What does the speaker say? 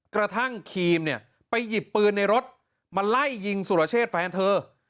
กระทั่งครีมไปหยิบปืนในรถมาไล่ยิงสุรเชษฐ์แฟนเธอ